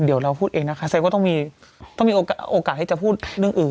เดี๋ยวเราพูดเองนะคะเซฟก็ต้องมีโอกาสที่จะพูดเรื่องอื่น